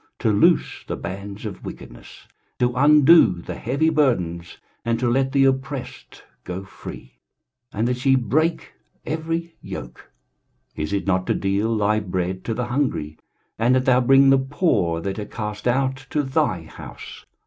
to loose the bands of wickedness, to undo the heavy burdens, and to let the oppressed go free, and that ye break every yoke? 23:058:007 Is it not to deal thy bread to the hungry, and that thou bring the poor that are cast out to thy house?